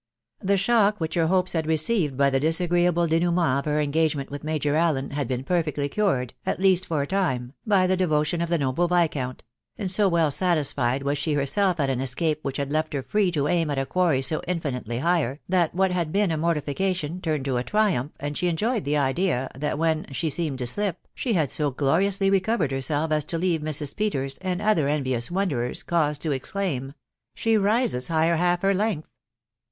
The shook which her hopes had received by the disagreeable dSnoAmmxt of ba engagement with Major Allen had been perfectly cured, at least for a time, by the devotion of the noble viscounty and so well satisfied was she herself at an escape which had left Jmt free to aim at a quarry so infinitely higher, that what had been a mortification turned to a triumph, and she ^enjoyed the ii that when "she seemed to dip/' she had so gkrriously vered herself as to leave Mrs. Peters, and other ssrvisus derers, eause to exclaim, " She rises higher half bear leagshi'